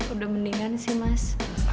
udah mendingan sih mas